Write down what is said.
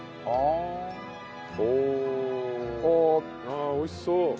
ああ美味しそう！